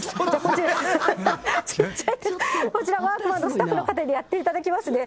こちら、ワークマンのスタッフの方にやっていただきますね。